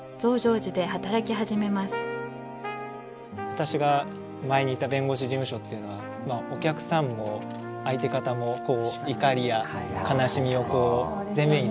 私が前にいた弁護士事務所っていうのはお客さんも相手方も怒りや悲しみを前面に出してくる方々なんですね。